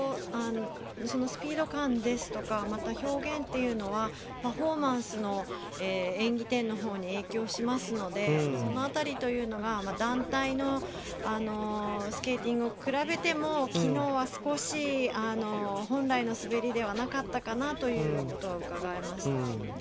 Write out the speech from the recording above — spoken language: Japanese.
スピード感ですとか表現というのはパフォーマンスの演技点のほうに影響しますので、その辺りが団体のスケーティングと比べても昨日は少し本来の滑りではなかったかなということはうかがえました。